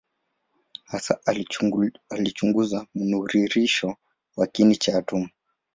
Hasa alichunguza mnururisho wa kiini cha atomu.